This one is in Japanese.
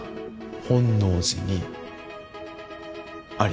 本能寺にあり。